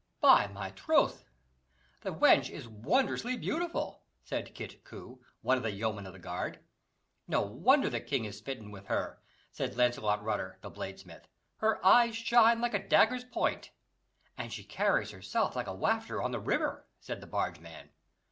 "By my troth, the wench is wondrously beautiful!" said Kit Coo, one of the yeomen of the guard. "No wonder the king is smitten with her," said Launcelot Rutter, the bladesmith; "her eyes shine like a dagger's point." "And she carries herself like a wafter on the river," said the bargeman.